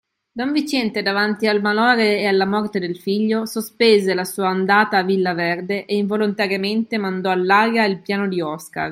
Don Viciente, davanti al malore e alla morte del figlio, sospese la sua andata a Villa Verde e involontariamente mandò all'aria il piano di Oscar.